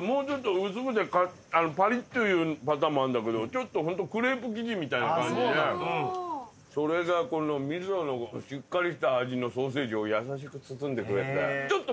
もうちょっと薄くてパリッというパターンもあんだけどちょっとホントクレープ生地みたいな感じでそれがこの味噌のしっかりした味のソーセージを優しく包んでくれてちょっと。